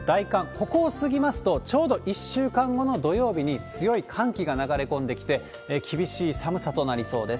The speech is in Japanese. ここを過ぎますと、ちょうど１週間後の土曜日に、強い寒気が流れ込んできて、厳しい寒さとなりそうです。